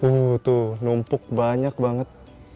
uh tuh numpuk banyak banget